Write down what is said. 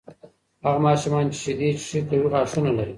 هغه ماشومان چې شیدې څښي، قوي غاښونه لري.